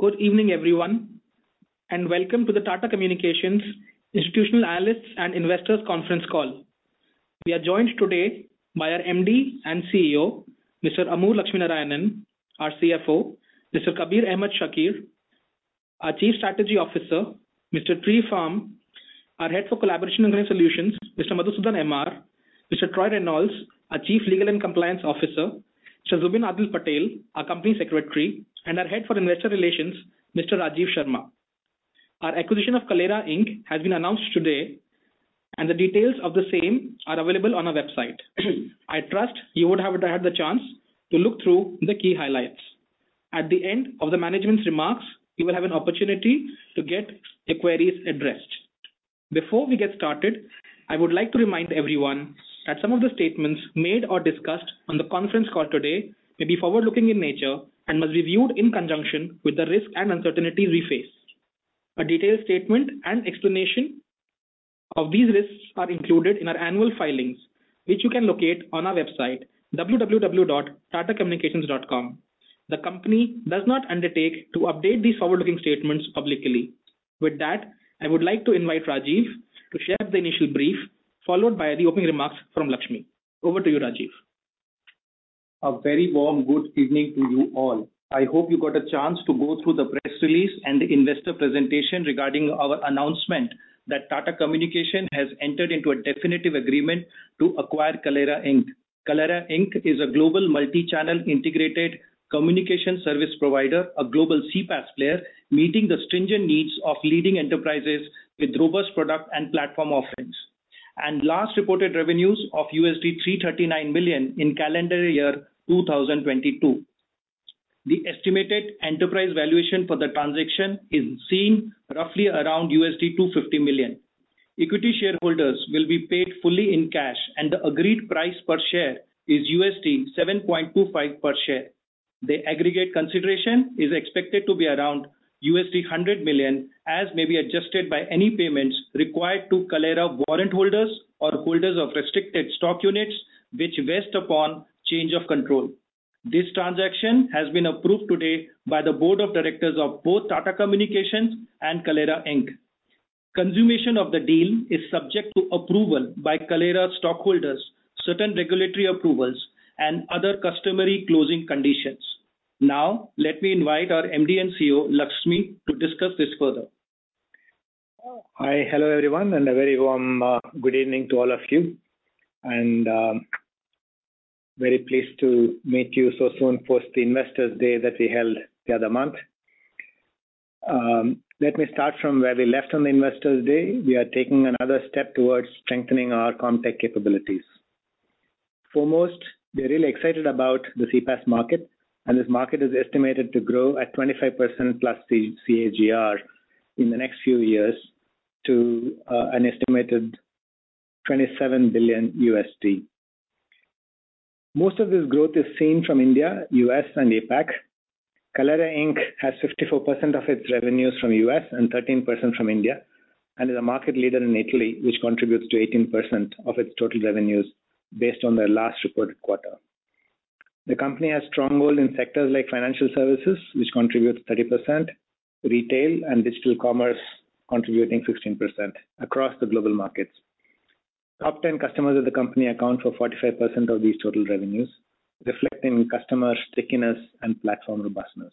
Good evening, everyone, welcome to the Tata Communications Institutional Analysts and Investors Conference Call. We are joined today by our MD and CEO, Mr. Amur S. Lakshminarayanan, our CFO, Mr. Kabir Ahmed Shakir, our Chief Strategy Officer, Mr. Tri Pham, our Head for Collaboration and Solutions, Mr. Mysore Madhusudhan, Mr. Troy Reynolds, our Chief Legal and Compliance Officer, Sir Zubin Adil Patel, our Company Secretary, and our Head for Investor Relations, Mr. Rajiv Sharma. Our acquisition of Kaleyra Inc. has been announced today, and the details of the same are available on our website. I trust you would have had the chance to look through the key highlights. At the end of the management's remarks, you will have an opportunity to get your queries addressed. Before we get started, I would like to remind everyone that some of the statements made or discussed on the conference call today may be forward-looking in nature and must be viewed in conjunction with the risks and uncertainties we face. A detailed statement and explanation of these risks are included in our annual filings, which you can locate on our website, www.tatacommunications.com. The company does not undertake to update these forward-looking statements publicly. With that, I would like to invite Rajiv to share the initial brief, followed by the opening remarks from Lakshmi. Over to you, Rajiv. A very warm good evening to you all. I hope you got a chance to go through the press release and the investor presentation regarding our announcement that Tata Communications has entered into a definitive agreement to acquire Kaleyra, Inc. Kaleyra, Inc. is a global multi-channel integrated communication service provider, a global CPaaS player, meeting the stringent needs of leading enterprises with robust product and platform offerings. Last reported revenues of $339 million in calendar year 2022. The estimated enterprise valuation for the transaction is seen roughly around $250 million. Equity shareholders will be paid fully in cash, and the agreed price per share is $7.25 per share. The aggregate consideration is expected to be around $100 million, as may be adjusted by any payments required to Kaleyra warrant holders or holders of restricted stock units, which vest upon change of control. This transaction has been approved today by the board of directors of both Tata Communications and Kaleyra, Inc. Consummation of the deal is subject to approval by Kaleyra stockholders, certain regulatory approvals, and other customary closing conditions. Now, let me invite our MD and CEO, Lakshmi, to discuss this further. Hi. Hello, everyone, and a very warm good evening to all of you. Very pleased to meet you so soon post the Investors Day that we held the other month. Let me start from where we left on the Investors Day. We are taking another step towards strengthening our com-tech capabilities. Foremost, we are really excited about the CPaaS market, and this market is estimated to grow at 25% plus the CAGR in the next few years to an estimated $27 billion. Most of this growth is seen from India, U.S., and APAC. Kaleyra, Inc. has 54% of its revenues from U.S. and 13% from India, and is a market leader in Italy, which contributes to 18% of its total revenues based on their last reported quarter. The company has strong hold in sectors like financial services, which contributes 30%, retail and digital commerce, contributing 16% across the global markets. Top 10 customers of the company account for 45% of these total revenues, reflecting customer stickiness and platform robustness.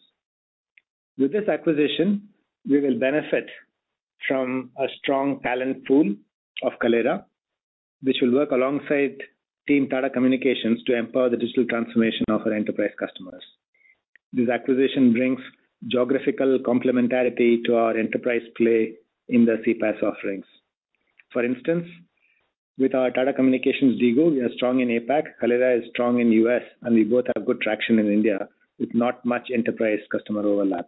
With this acquisition, we will benefit from a strong talent pool of Kaleyra, which will work alongside team Tata Communications to empower the digital transformation of our enterprise customers. This acquisition brings geographical complementarity to our enterprise play in the CPaaS offerings. For instance, with our Tata Communications DIGO, we are strong in APAC, Kaleyra is strong in U.S., and we both have good traction in India, with not much enterprise customer overlap.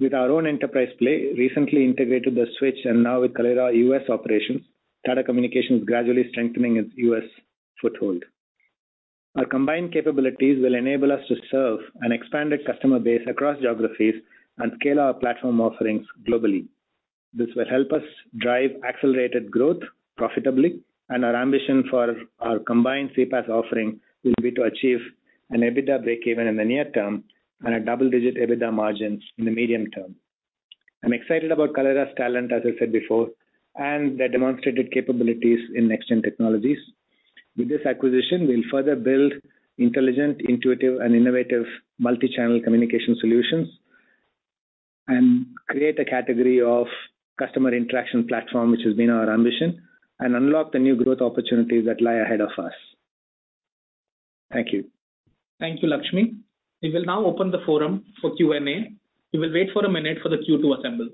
With our own enterprise play, recently integrated The Switch and now with Kaleyra U.S. operations, Tata Communications is gradually strengthening its U.S. foothold. Our combined capabilities will enable us to serve an expanded customer base across geographies and scale our platform offerings globally. This will help us drive accelerated growth profitably, our ambition for our combined CPaaS offering will be to achieve an EBITDA breakeven in the near term and a double-digit EBITDA margins in the medium term. I'm excited about Kaleyra's talent, as I said before, and their demonstrated capabilities in next-gen technologies. With this acquisition, we'll further build intelligent, intuitive, and innovative multi-channel communication solutions and create a category of customer interaction platform, which has been our ambition, and unlock the new growth opportunities that lie ahead of us. Thank you. Thank you, Lakshmi. We will now open the forum for Q&A. We will wait for a minute for the queue to assemble.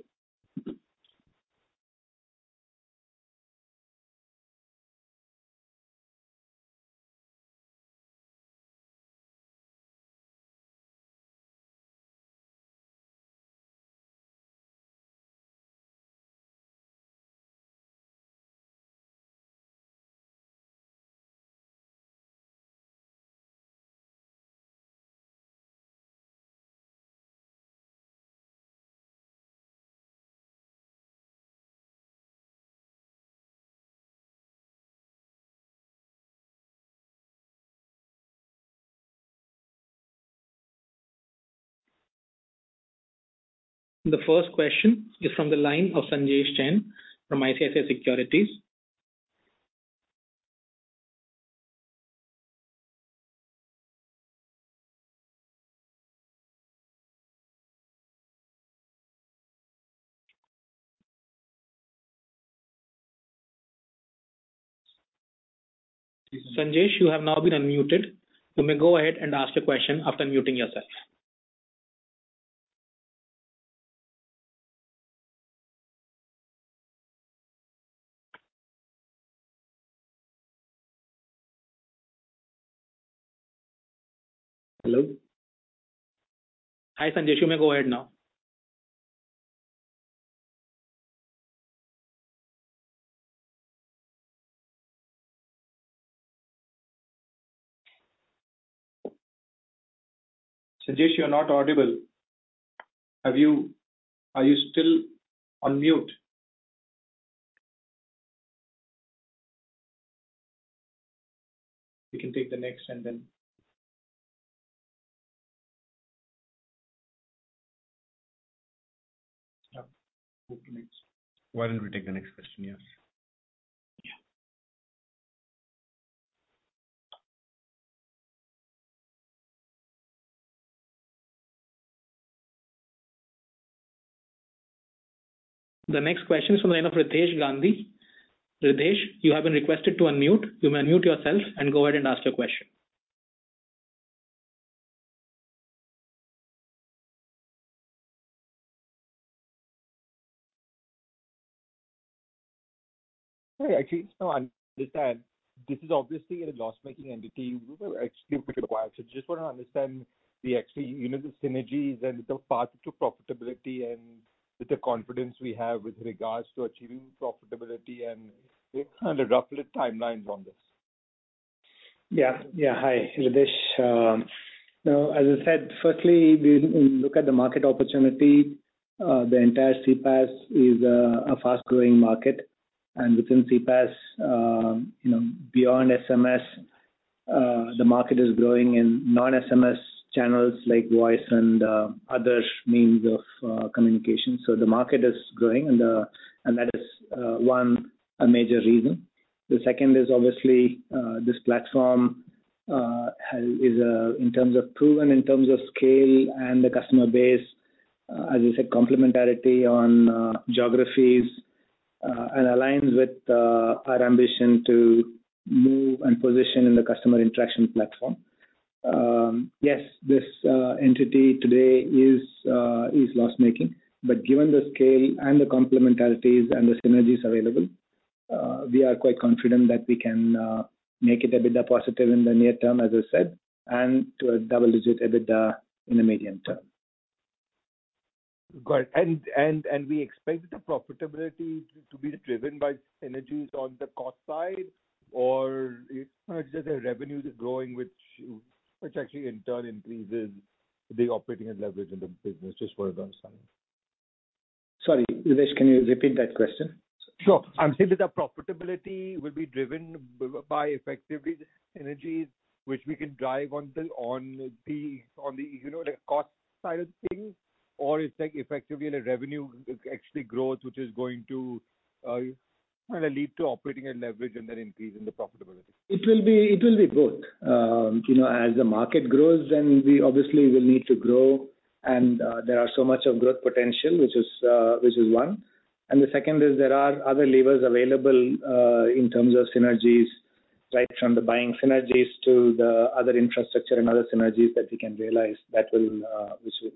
The first question is from the line of Sanjesh Jain from ICICI Securities. Sanjesh, you have now been unmuted. You may go ahead and ask your question after muting yourself. Hello? Hi, Sanjesh, you may go ahead now. Sanjesh, you are not audible. Are you still on mute? We can take the next. Why don't we take the next question, yes. The next question is from the line of Riddhesh Gandhi. Riddhesh, you have been requested to unmute. You may unmute yourself and go ahead and ask your question. Hi, actually, I understand, this is obviously a loss-making entity. I just want to understand the actually, you know, the synergies and the path to profitability, and the confidence we have with regards to achieving profitability and the roughly timelines on this. Hi, Riddhesh. Now, as I said, firstly, we look at the market opportunity. The entire CPaaS is a fast-growing market, and within CPaaS, you know, beyond SMS, the market is growing in non-SMS channels like voice and other means of communication. The market is growing, and that is one, a major reason. The second is obviously, this platform is in terms of proven, in terms of scale and the customer base, as you said, complementarity on geographies, and aligns with our ambition to move and position in the customer interaction platform. Yes, this entity today is loss-making, but given the scale and the complementarities and the synergies available, we are quite confident that we can make it EBITDA positive in the near term, as I said, and to a double-digit EBITDA in the medium term. Got it. We expect the profitability to be driven by synergies on the cost side, or it's just the revenue is growing, which actually in turn increases the operating and leverage in the business, just want to understand? Sorry, Riddhesh, can you repeat that question? Sure. I'm saying that the profitability will be driven by effectively synergies, which we can drive on the, you know, the cost side of things, or it's, like, effectively the revenue actually growth, which is going to kind of lead to operating and leverage, and then increase in the profitability? It will be both. You know, as the market grows, then we obviously will need to grow, and there are so much of growth potential, which is one. The second is there are other levers available, in terms of synergies, right? From the buying synergies to the other infrastructure and other synergies that we can realise that will,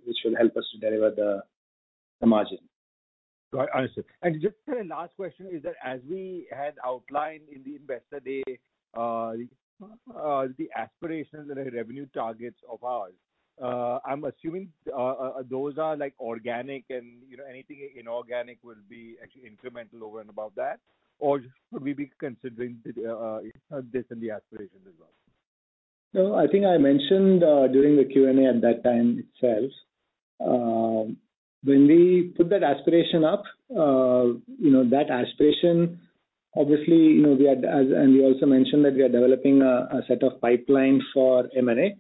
which will help us to deliver the margin. Right. I understand. Just the last question is that as we had outlined in the Investor Day, the aspirations and the revenue targets of ours, I'm assuming, those are, like, organic and, you know, anything inorganic will be actually incremental over and above that, or would we be considering this in the aspirations as well? I think I mentioned, during the Q&A at that time itself, when we put that aspiration up, you know, that aspiration, obviously, you know, as, and we also mentioned that we are developing a set of pipeline for M&A,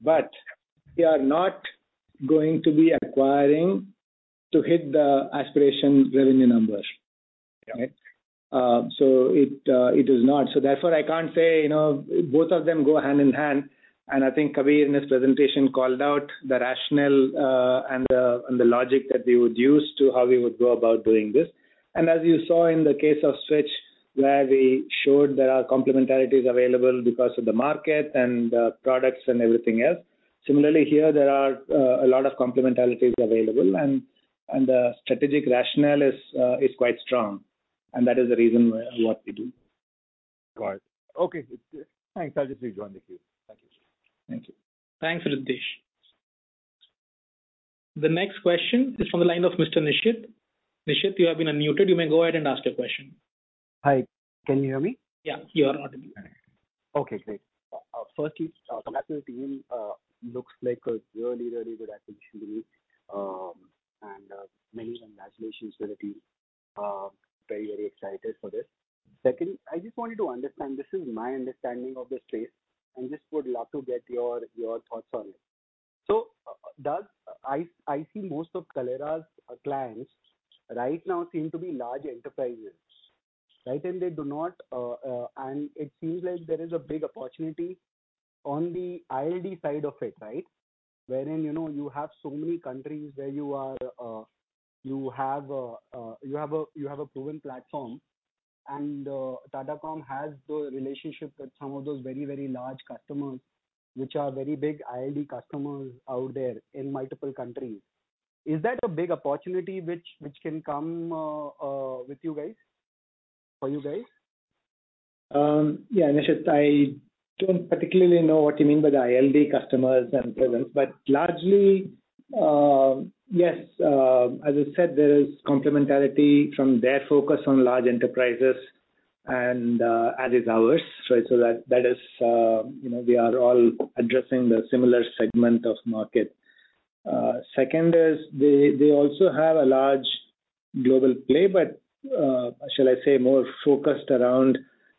but we are not going to be acquiring to hit the aspiration revenue numbers. Yeah. Right? So it is not. Therefore, I can't say, you know, both of them go hand in hand, and I think Kabir, in his presentation, called out the rationale and the logic that we would use to how we would go about doing this. As you saw in the case of The Switch, where we showed there are complementarities available because of the market and the products and everything else. Similarly, here, there are a lot of complementarities available, and the strategic rationale is quite strong, and that is the reason why, what we do. Got it. Okay, thanks. I'll just rejoin the queue. Thank you. Thank you. Thanks, Riddhesh. The next question is from the line of Mr. Nishit. Nishit, you have been unmuted. You may go ahead and ask your question. Hi, can you hear me? Yeah, you are audible. Great. Firstly, the team looks like a really, really good acquisition to me, and many congratulations to the team.... very, very excited for this. Secondly, I just wanted to understand, this is my understanding of the space, and just would love to get your thoughts on it. I see most of Kaleyra's clients right now seem to be large enterprises, right? They do not... It seems like there is a big opportunity on the ILD side of it, right? Wherein, you know, you have so many countries where you are, you have a proven platform, and Tata Comm has the relationship with some of those very, very large customers, which are very big ILD customers out there in multiple countries. Is that a big opportunity which can come with you guys, for you guys? Yeah, Nishit, I don't particularly know what you mean by the ILD customers and presence, but largely, yes, as I said, there is complementarity from their focus on large enterprises and as is ours, right? That is, you know, we are all addressing the similar segment of market. Second is they also have a large global play, but shall I say, more focused around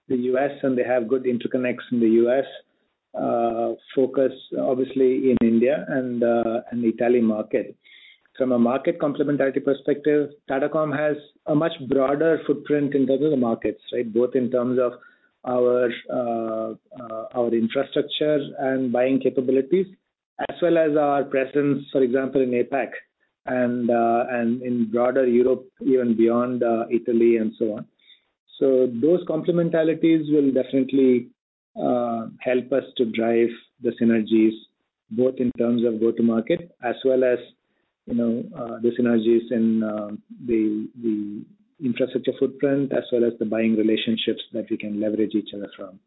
the US, and they have good interconnects in the US, focus, obviously, in India and Italy market. From a market complementarity perspective, Tata Comm has a much broader footprint in terms of the markets, right? Both in terms of our infrastructure and buying capabilities, as well as our presence, for example, in APAC and in broader Europe, even beyond Italy and so on. Those complementarities will definitely help us to drive the synergies, both in terms of go-to-market as well as, you know, the synergies in the infrastructure footprint, as well as the buying relationships that we can leverage each other from.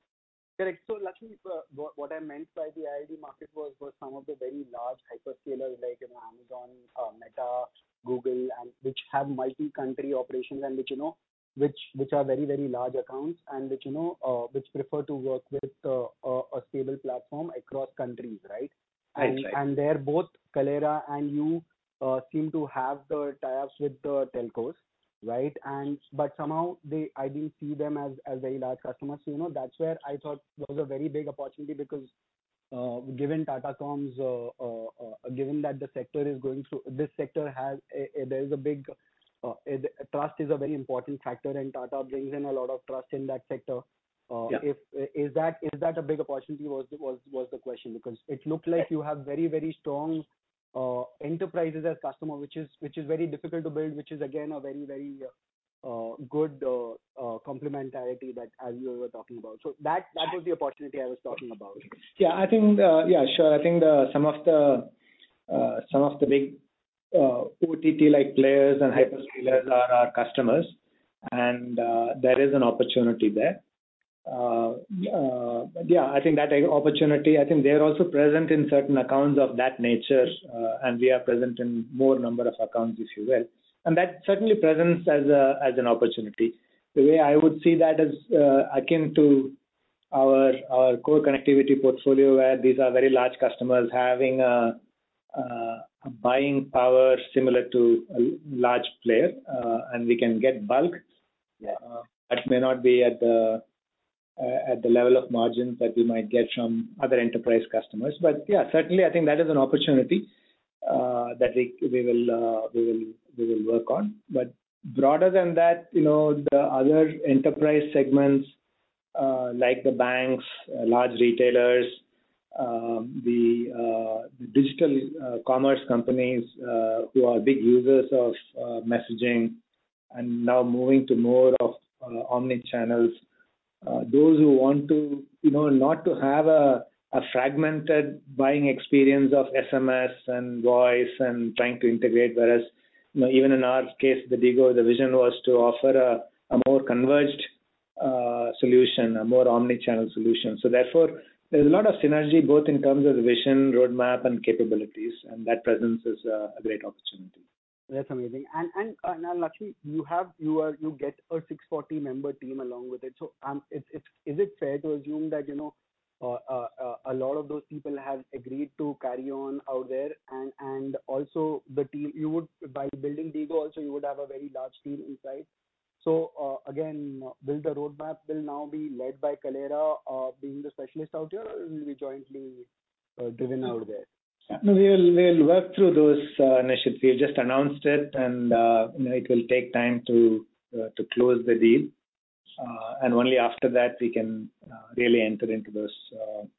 Correct. Lakshmi, what I meant by the ILD market was some of the very large hyper-scalers, like, you know, Amazon, Meta, Google, and which have multi-country operations and which, you know, which are very, very large accounts and which, you know, which prefer to work with a stable platform across countries, right? Right, right. There both Kaleyra and you seem to have the tie-ups with the telcos, right? Somehow they, I didn't see them as very large customers. You know, that's where I thought there was a very big opportunity, because given Tata Comm's, given that the sector is going through... This sector has, there is a big, trust is a very important factor, and Tata brings in a lot of trust in that sector. Yeah. Is that, is that a big opportunity, was the question. It looked like. Yeah... you have very, very strong enterprises as customer, which is very difficult to build, which is, again, a very, very good complementarity that, as you were talking about. That was the opportunity I was talking about. I think, sure. I think, some of the big OTT-like players and hyperscalers are our customers, and there is an opportunity there. I think that a opportunity, I think they are also present in certain accounts of that nature, and we are present in more number of accounts, if you will, and that certainly presents as an opportunity. The way I would see that is akin to our core connectivity portfolio, where these are very large customers having a buying power similar to a large player, and we can get bulk. Yeah. That may not be at the level of margins that we might get from other enterprise customers. Yeah, certainly, I think that is an opportunity that we will work on. Broader than that, you know, the other enterprise segments, like the banks, large retailers, the digital commerce companies, who are big users of messaging and now moving to more of omni-channels. Those who want to, you know, not to have a fragmented buying experience of SMS and voice and trying to integrate, whereas, you know, even in our case, the DIGO, the vision was to offer a more converged solution, a more omni-channel solution. Therefore, there's a lot of synergy, both in terms of vision, roadmap, and capabilities, and that presents us a great opportunity. That's amazing. Now, Lakshmi, you get a 640 member team along with it. Is it fair to assume that, you know, a lot of those people have agreed to carry on out there, and also the team, by building DIGO also, you would have a very large team inside. Again, will the roadmap will now be led by Kaleyra, being the specialist out there, or it will be jointly driven out there? No, we'll work through those initiatives. We have just announced it, and, you know, it will take time to close the deal. Only after that we can really enter into those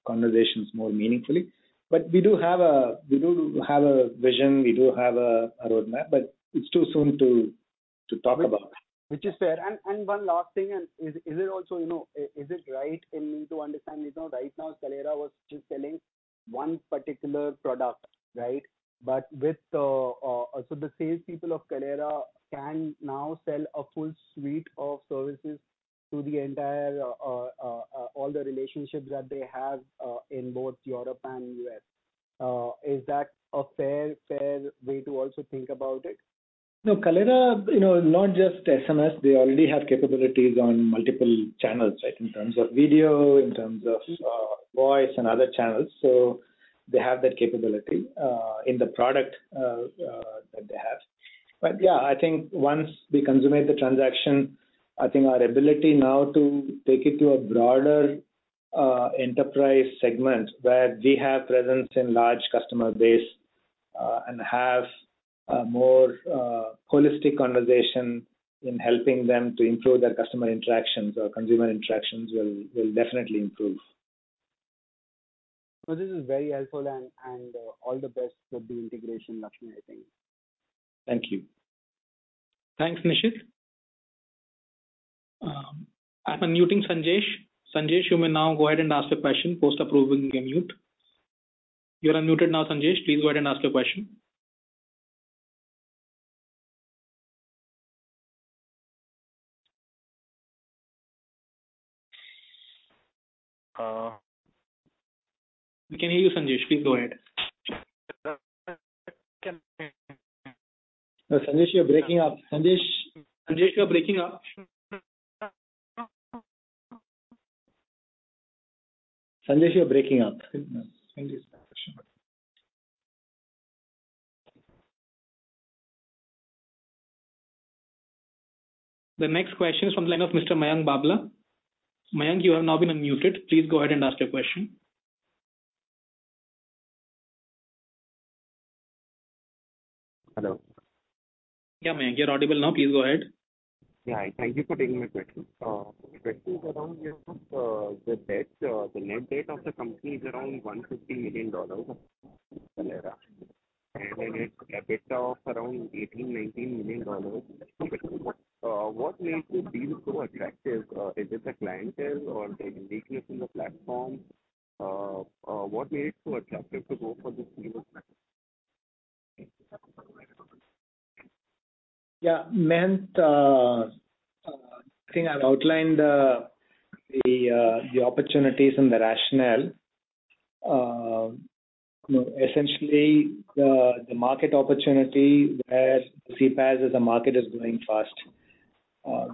conversations more meaningfully. We do have a vision, we do have a roadmap, but it's too soon to talk about. Which is fair. One last thing, is it also, you know, is it right in me to understand, you know, right now, Kaleyra was just selling one particular product, right? With, so the salespeople of Kaleyra can now sell a full suite of services to the entire, all the relationships that they have, in both Europe and US. Is that a fair way to also think about it? No, Kaleyra, you know, not just SMS, they already have capabilities on multiple channels, right? In terms of video, in terms of voice and other channels. They have that capability in the product that they have. Yeah, I think once we consummate the transaction, I think our ability now to take it to a broader enterprise segment, where we have presence in large customer base, and have more holistic conversation in helping them to improve their customer interactions or consumer interactions will definitely improve. This is very helpful, and all the best with the integration, Lakshmi, I think. Thank you. Thanks, Nishit. I'm unmuting, Sanjesh. Sanjesh, you may now go ahead and ask a question. Post approval, you can unmute. You are unmuted now, Sanjesh. Please go ahead and ask your question. We can hear you, Sanjesh. Please go ahead. Sanjesh, you're breaking up. Sanjesh- Sanjesh, you're breaking up. Sanjesh, you're breaking up. The next question is from the line of Mr. Mayank Babla. Mayank, you have now been unmuted. Please go ahead and ask your question. Hello. Yeah, Mayank, you're audible now. Please go ahead. Yeah. Thank you for taking my question. My question is around the debt. The net debt of the company is around $150 million, and an EBITDA of around $18 million to $19 million. What made the deal so attractive? Is it the clientele or the uniqueness in the platform? What made it so attractive to go for this deal? Yeah, Mayank, I think I've outlined the opportunities and the rationale. Essentially, the market opportunity where CPaaS as a market is growing fast.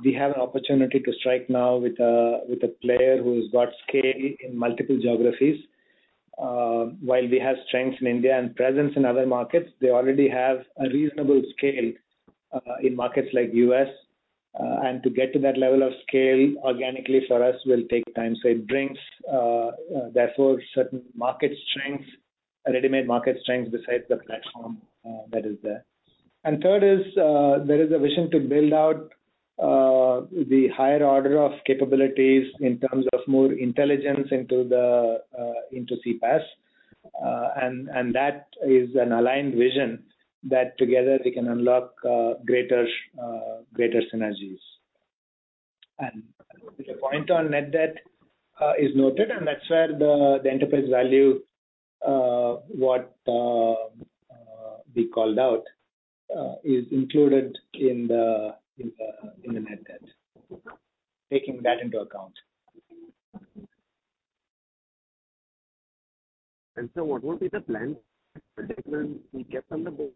We have an opportunity to strike now with a player who's got scale in multiple geographies. While we have strengths in India and presence in other markets, they already have a reasonable scale in markets like US, and to get to that level of scale organically for us will take time. It brings, therefore, certain market strengths, a readymade market strengths besides the platform that is there. Third is, there is a vision to build out the higher order of capabilities in terms of more intelligence into CPaaS. That is an aligned vision that together we can unlock greater synergies. The point on net debt is noted, and that's where the enterprise value what we called out is included in the net debt, taking that into account. What will be the plan when we get on the board?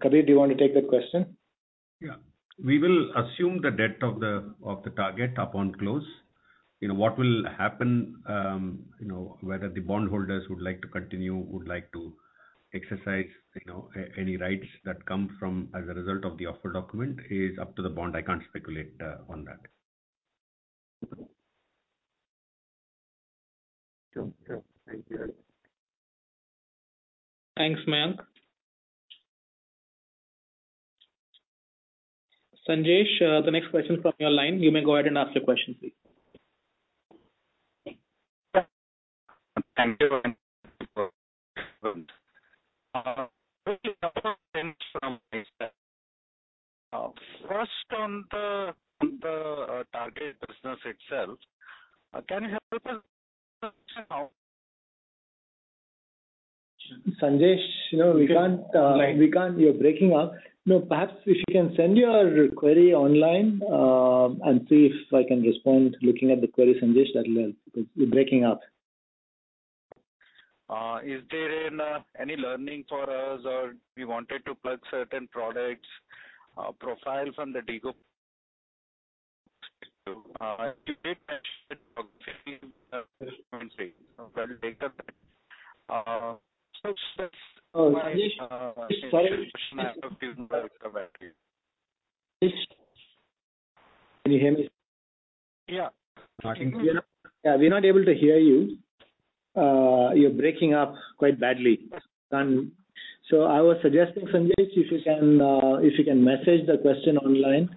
Kabir, do you want to take that question? Yeah. We will assume the debt of the target upon close. You know, what will happen, you know, whether the bondholders would like to continue, would like to exercise, you know, any rights that come from as a result of the offer document is up to the bond. I can't speculate on that. Sure. Yeah. Thank you. Thanks, Mayank. Sanjesh, the next question is from your line. You may go ahead and ask your question, please. Thank you. Sanjesh, you know, we can't. You're breaking up. You know, perhaps if you can send your query online, and see if I can respond looking at the query, Sanjesh, that will help, because you're breaking up. Is there any learning for us, or we wanted to plug certain products, profiles on the DIGO? Can you hear me? Yeah. We're not able to hear you. You're breaking up quite badly. I would suggest, Sanjesh, if you can, if you can message the question online,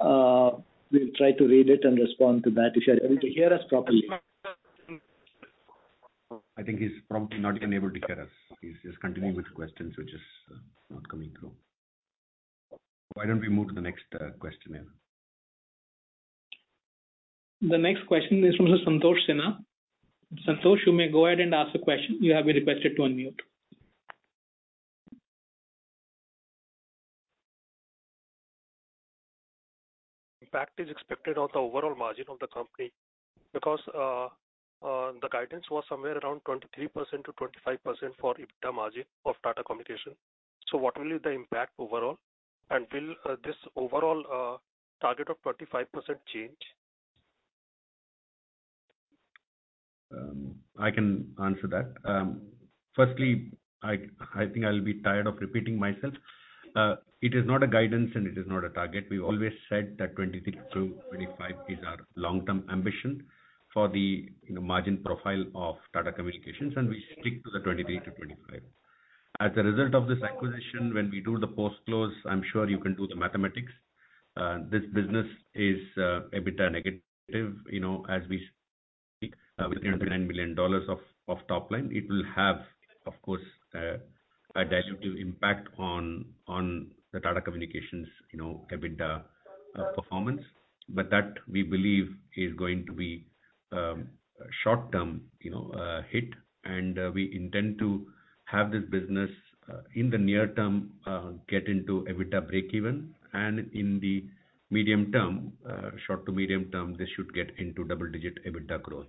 we'll try to read it and respond to that, if you're able to hear us properly. I think he's probably not even able to hear us. He's just continuing with the questions, which is not coming through. Why don't we move to the next question then? The next question is from Santosh Sinha. Santosh, you may go ahead and ask the question. You have been requested to unmute.... Impact is expected on the overall margin of the company, because, the guidance was somewhere around 23% to 25% for EBITDA margin of Tata Communications. What will be the impact overall, and will this overall target of 25% change? I can answer that. Firstly, I think I'll be tired of repeating myself. It is not a guidance, and it is not a target. We've always said that 23-25 is our long-term ambition for the, you know, margin profile of Tata Communications. We stick to the 23-25. As a result of this acquisition, when we do the post-close, I'm sure you can do the mathematics. This business is EBITDA negative, you know, as we speak, with $109 million of top line. It will have, of course, a dilutive impact on the Tata Communications, you know, EBITDA performance. That, we believe, is going to be a short-term, you know, hit, and we intend to have this business in the near term get into EBITDA breakeven. In the medium term, short to medium term, this should get into double-digit EBITDA growth.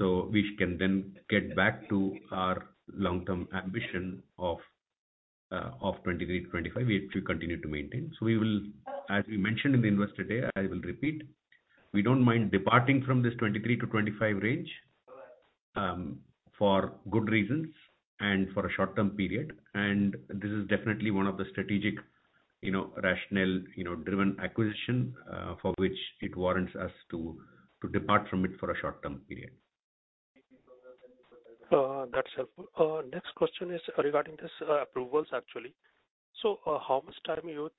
We can then get back to our long-term ambition of 23% to 25%, which we continue to maintain. We will, as we mentioned in the Investor Day, I will repeat, we don't mind departing from this 23% to 25% range, for good reasons and for a short-term period. This is definitely one of the strategic, you know, rational, you know, driven acquisition, for which it warrants us to depart from it for a short-term period. That's helpful. Next question is regarding this, approvals, actually. How much time you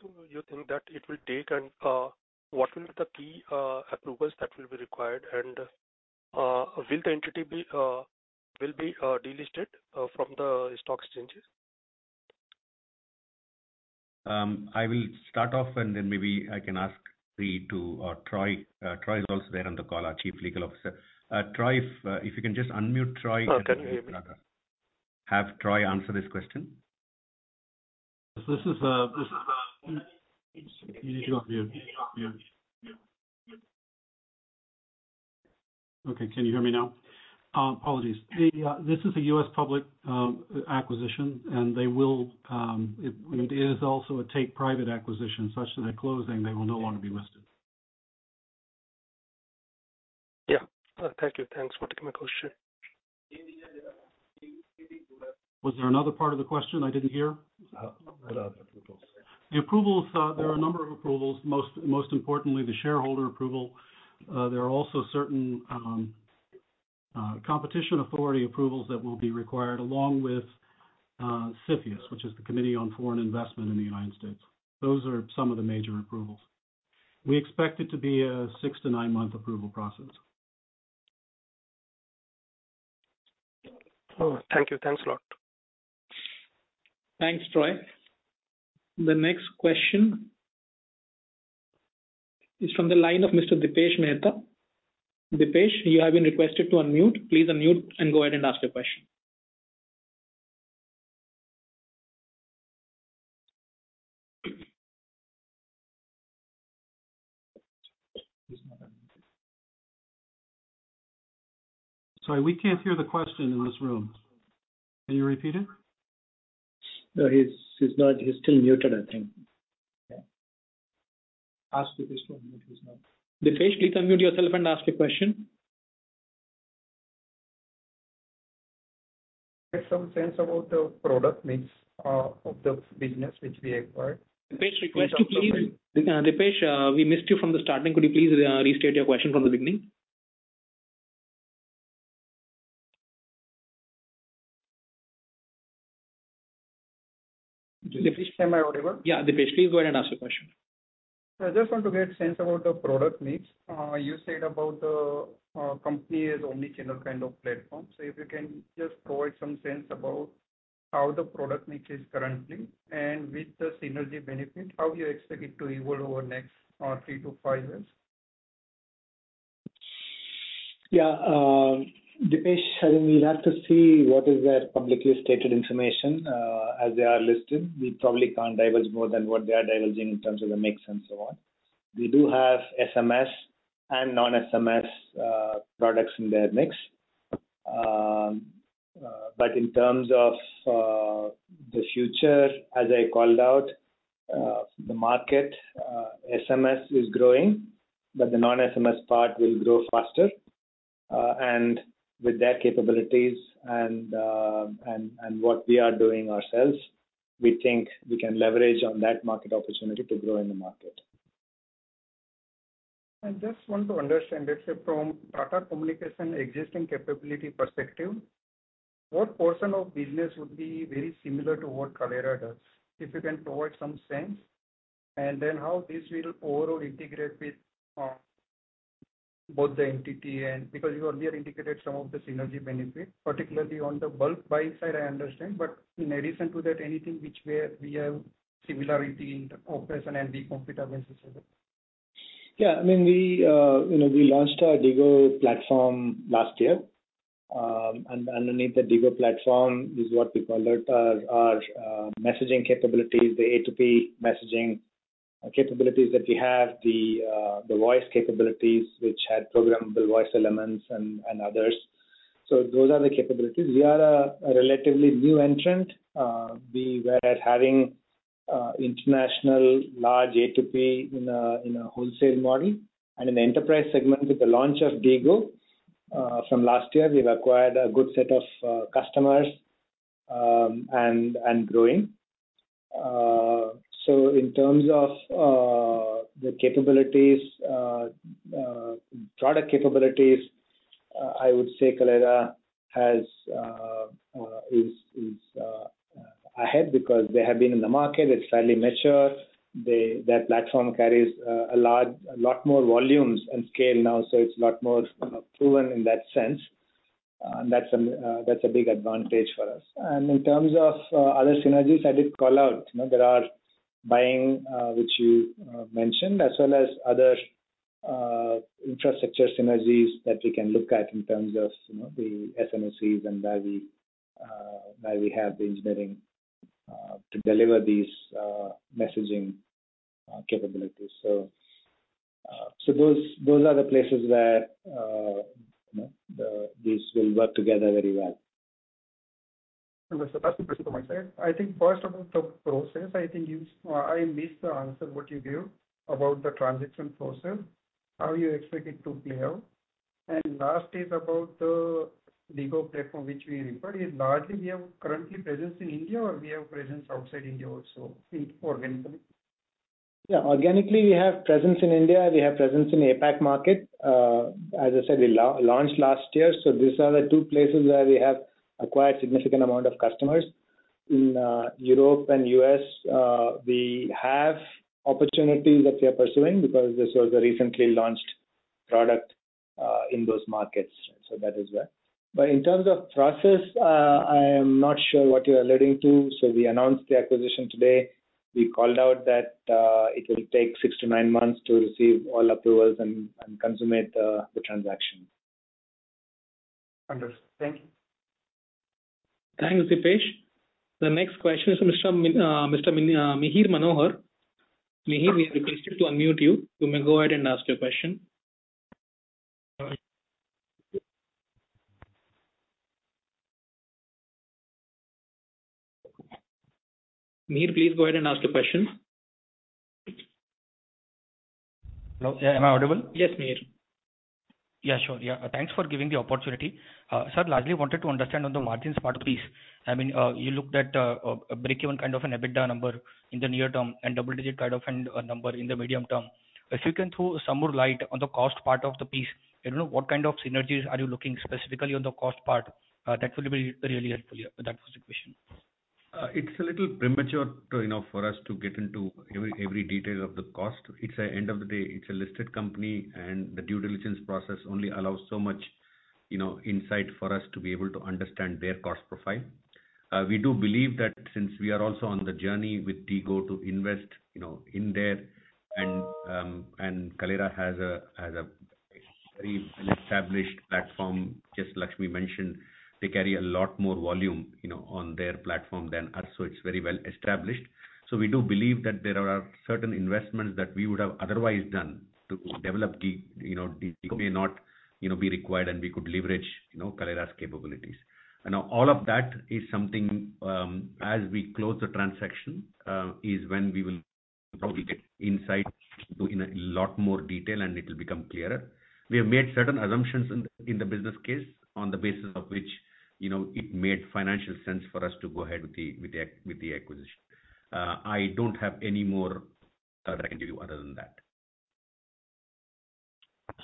think that it will take, and what will be the key approvals that will be required? Will the entity be delisted from the stock exchanges? I will start off, and then maybe I can ask Sri to Troy. Troy is also there on the call, our Chief Legal Officer. Troy, if you can just unmute. Have Troy answer this question. This is. Okay. Can you hear me now? Apologies. This is a U.S. public acquisition, and they will, it is also a take-private acquisition such that at closing, they will no longer be listed. Yeah. Thank you. Thanks for the clarification. Was there another part of the question I didn't hear? about approvals. The approvals, there are a number of approvals, most importantly, the shareholder approval. There are also certain, competition authority approvals that will be required, along with, CFIUS, which is the Committee on Foreign Investment in the United States. Those are some of the major approvals. We expect it to be a 6-9-month approval process. Oh, thank you. Thanks a lot. Thanks, Troy. The next question is from the line of Mr. Dipesh Mehta. Dipesh, you have been requested to unmute. Please unmute and go ahead and ask your question. Sorry, we can't hear the question in this room. Can you repeat it? No, he's not. He's still muted, I think. Yeah. Ask Dipesh to unmute himself. Dipesh, please unmute yourself and ask your question. Get some sense about the product mix of the business which we acquired. Dipesh, we missed you from the starting. Could you please restate your question from the beginning? Dipesh,.. am I audible? Yeah, Dipesh, please go ahead and ask your question. I just want to get a sense about the product mix. You said about the company as omni-channel kind of platform. If you can just provide some sense about how the product mix is currently, and with the synergy benefit, how do you expect it to evolve over the next 3-5 years? Yeah, Dipesh, I mean, we'll have to see what is their publicly stated information, as they are listed. We probably can't divulge more than what they are divulging in terms of the mix and so on. We do have SMS and non-SMS products in their mix. In terms of the future, as I called out, the market, SMS is growing, but the non-SMS part will grow faster. With their capabilities and what we are doing ourselves, we think we can leverage on that market opportunity to grow in the market. I just want to understand, let's say from Tata Communications existing capability perspective, what portion of business would be very similar to what Kaleyra does? If you can provide some sense, and then how this will overall integrate with, both the entity and... You earlier indicated some of the synergy benefit, particularly on the bulk buy side, I understand. In addition to that, anything which where we have similarity in the operation and the competitor necessary? Yeah, I mean, we, you know, we launched our DIGO platform last year. Underneath the DIGO platform is what we call our messaging capabilities, the A2P messaging capabilities that we have, the voice capabilities, which had programmable voice elements and others. Those are the capabilities. We are a relatively new entrant. We were having international large A2P in a wholesale model, and in the enterprise segment with the launch of DIGO. From last year, we've acquired a good set of customers and growing. In terms of the capabilities, product capabilities, I would say Kaleyra is ahead because they have been in the market, it's fairly mature. Their platform carries a large, a lot more volumes and scale now, so it's a lot more proven in that sense. That's a big advantage for us. In terms of other synergies, I did call out, you know, there are buying, which you mentioned, as well as other infrastructure synergies that we can look at in terms of, you know, the SMSCs and where we, where we have the engineering to deliver these messaging capabilities. So those are the places where, you know, these will work together very well. That's the question from my side. I think first about the process, I missed the answer, what you gave about the transaction process. How you expect it to play out? Last is about the DIGO platform, which we referred. Is largely we have currently presence in India or we have presence outside India also, in organically? Yeah, organically, we have presence in India, we have presence in APAC market. As I said, we launched last year, these are the two places where we have acquired significant amount of customers. In Europe and US, we have opportunities that we are pursuing because this was a recently launched product in those markets, so that is where. In terms of process, I am not sure what you are alluding to. We announced the acquisition today. We called out that it will take six to nine months to receive all approvals and consummate the transaction. Understood. Thank you. Thanks, Dipesh. The next question is from Mr. Mihir Manohar. Mihir, we request you to unmute you. You may go ahead and ask your question. Mihir, please go ahead and ask the question. Hello. Yeah, am I audible? Yes, Mihir. Yeah, sure. Yeah, thanks for giving the opportunity. Sir, largely wanted to understand on the margins part piece. I mean, you looked at a breakeven kind of an EBITDA number in the near term, and double-digit kind of an number in the medium term. If you can throw some more light on the cost part of the piece, I don't know what kind of synergies are you looking specifically on the cost part? That will be really helpful. Yeah, that was the question. It's a little premature to, you know, for us to get into every detail of the cost. It's end of the day, it's a listed company, and the due diligence process only allows so much, you know, insight for us to be able to understand their cost profile. We do believe that since we are also on the journey with DIGO to invest, you know, in there, and Kaleyra has a very well-established platform, just Lakshmi mentioned, they carry a lot more volume, you know, on their platform than us, so it's very well established. We do believe that there are certain investments that we would have otherwise done to develop, you know, DIGO may not, you know, be required and we could leverage, you know, Kaleyra's capabilities. Now all of that is something, as we close the transaction, is when we will probably get insight to in a lot more detail, and it will become clearer. We have made certain assumptions in the business case on the basis of which, you know, it made financial sense for us to go ahead with the acquisition. I don't have any more that I can give you other than that.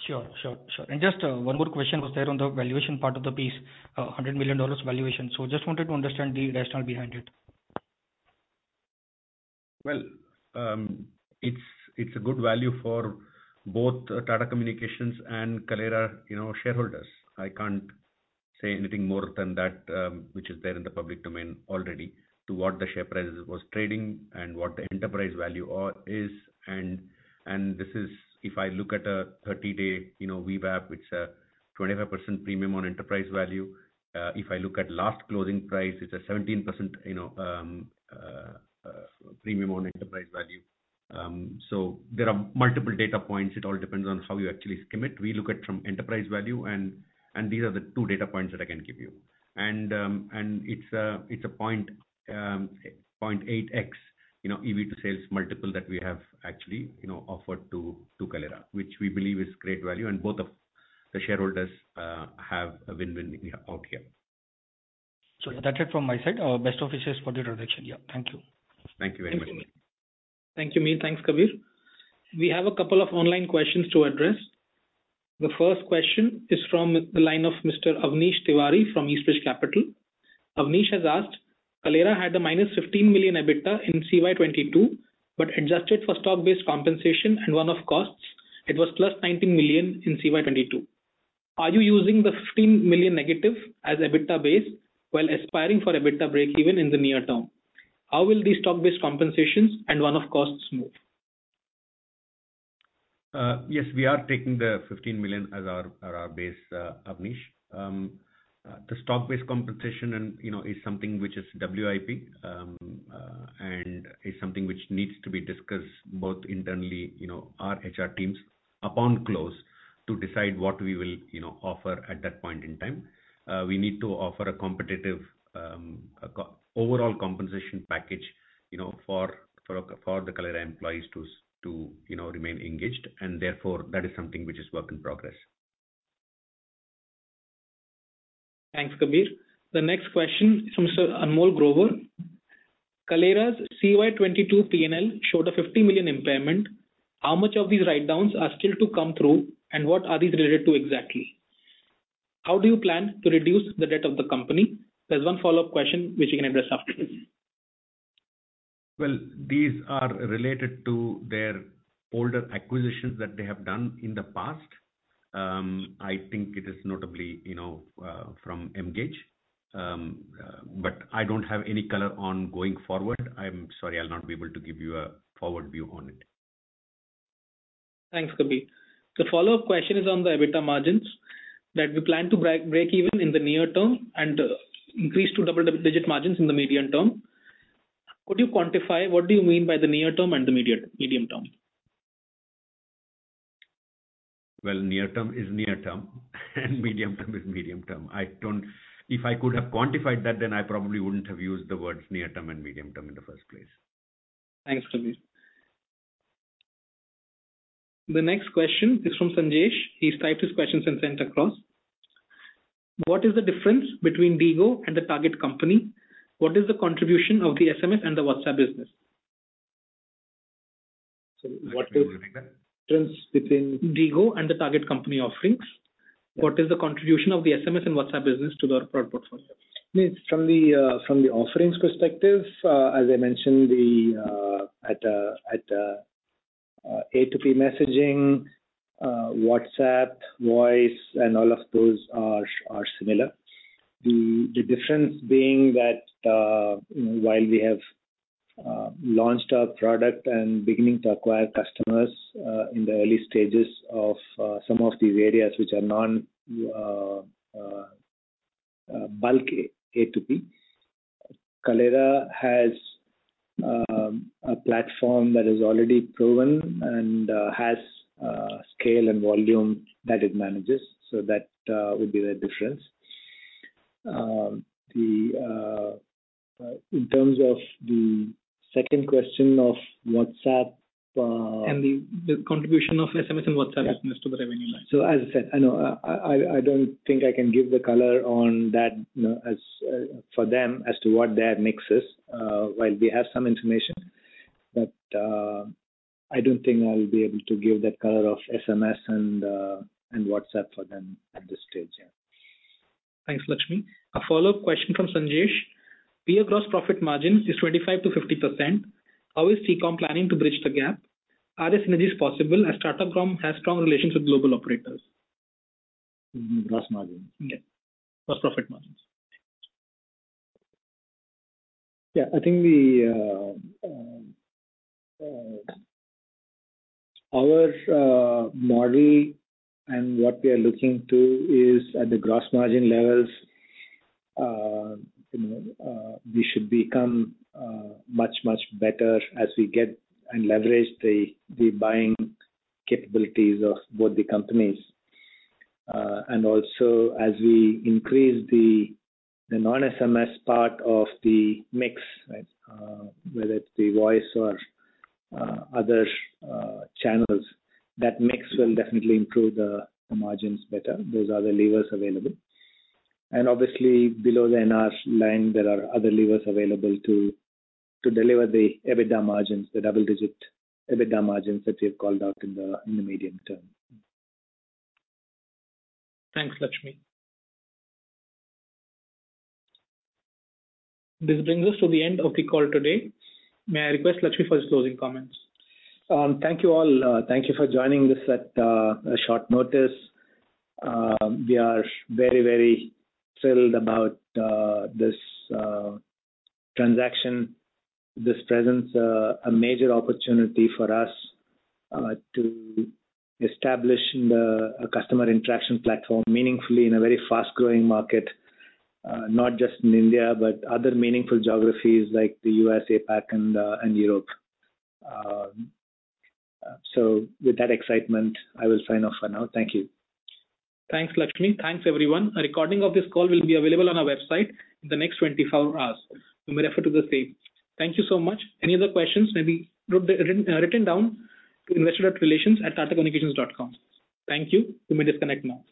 Sure, sure. Just one more question was there on the valuation part of the piece, $100 million valuation. Just wanted to understand the rationale behind it. Well, it's a good value for both Tata Communications and Kaleyra, you know, shareholders. I can't say anything more than that, which is there in the public domain already, to what the share price was trading and what the enterprise value is. This is, if I look at a 30-day, you know, VWAP, it's a 25% premium on enterprise value. If I look at last closing price, it's a 17% premium on enterprise value. There are multiple data points. It all depends on how you actually skim it. We look at from enterprise value, and these are the two data points that I can give you. It's a point 0.8x, you know, EV to sales multiple that we have actually, you know, offered to Kaleyra, which we believe is great value, and both of the shareholders, have a win-win in here, out here. That's it from my side. Best wishes for the transaction. Yeah, thank you. Thank you very much. Thank you, Mihir. Thanks, Kabir. We have a couple of online questions to address. The first question is from the line of Mr. Avnish Tiwari from Eastwish Capital. Avnish has asked: Kaleyra had a minus $15 million EBITDA in CY 2022, but adjusted for stock-based compensation and one-off costs, it was plus $19 million in CY 2022. Are you using the $15 million negative as EBITDA base while aspiring for EBITDA break-even in the near term? How will these stock-based compensations and one-off costs move? Yes, we are taking the 15 million as our base, Avnish. The stock-based compensation, you know, is something which is WIP. Is something which needs to be discussed both internally, you know, our HR teams upon close to decide what we will, you know, offer at that point in time. We need to offer a competitive overall compensation package, you know, for the Kaleyra employees to, you know, remain engaged, that is something which is work in progress. Thanks, Kabir. The next question is from Sir Anmol Grover. Kaleyra's CY 2022 P&L showed a $50 million impairment. How much of these write-downs are still to come through, and what are these related to exactly? How do you plan to reduce the debt of the company? There's one follow-up question, which you can address after this. These are related to their older acquisitions that they have done in the past. I think it is notably, you know, from mGage. I don't have any color on going forward. I'm sorry, I'll not be able to give you a forward view on it. Thanks, Kabir. The follow-up question is on the EBITDA margins, that we plan to break even in the near term and increase to double-digit margins in the medium term. Could you quantify what do you mean by the near term and the medium term? Well, near term is near term, and medium term is medium term. If I could have quantified that, then I probably wouldn't have used the words near term and medium term in the first place. Thanks, Kabir. The next question is from Sanjesh. He's typed his questions and sent across. What is the difference between DIGO and the target company? What is the contribution of the SMS and the WhatsApp business? What is the difference? DIGO and the target company offerings. What is the contribution of the SMS and WhatsApp business to the product portfolio? From the offerings perspective, as I mentioned, at A2P messaging, WhatsApp, Voice, and all of those are similar. The difference being that while we have launched our product and beginning to acquire customers in the early stages of some of these areas which are non-bulk A2P. Kaleyra has a platform that is already proven and has scale and volume that it manages, so that would be the difference. The in terms of the second question of WhatsApp. The contribution of SMS and WhatsApp business to the revenue line. As I said, I know, I don't think I can give the color on that, you know, as for them as to what their mix is. While we have some information, but I don't think I will be able to give that color of SMS and WhatsApp for them at this stage, yeah. Thanks, Lakshmi. A follow-up question from Sanjesh. PA gross profit margin is 25% to 50%. How is Tata Comm planning to bridge the gap? Are the synergies possible, as Tata Comm has strong relations with global operators? Mm-hmm. Gross margin. Yeah, gross profit margins. Yeah, I think the our model and what we are looking to is at the gross margin levels, you know, we should become much, much better as we get and leverage the buying capabilities of both the companies. Also as we increase the non-SMS part of the mix, right? Whether it's the voice or other channels, that mix will definitely improve the margins better. Those are the levers available. Obviously, below the NR line, there are other levers available to deliver the EBITDA margins, the double-digit EBITDA margins that we have called out in the medium term. Thanks, Lakshmi. This brings us to the end of the call today. May I request Lakshmi for his closing comments? Thank you, all. Thank you for joining this at a short notice. We are very, very thrilled about this transaction. This presents a major opportunity for us to establish the, a customer interaction platform meaningfully in a very fast-growing market, not just in India, but other meaningful geographies like the US, APAC, and Europe. So with that excitement, I will sign off for now. Thank you. Thanks, Lakshmi. Thanks, everyone. A recording of this call will be available on our website in the next 24 hours. You may refer to the same. Thank you so much. Any other questions may be wrote, written down to investorrelations@tatacommunications.com. Thank you. You may disconnect now.